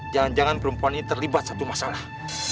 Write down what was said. jangan jangan perempuan ini terlibat satu masalah